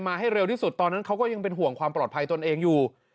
ให้เร็วที่สุดตอนนั้นเขาก็ยังเป็นห่วงความปลอดภัยตนเองอยู่